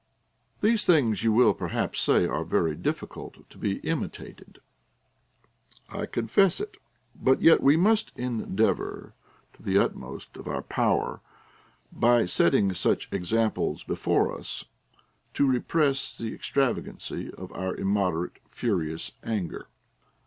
These things, you will perhaps say, are very difficult to be imitated. I confess it ; but yet we must endeavor to the utmost of our power, by setting such examples before us, to repress the extravagancy of our immoderate, furious anger.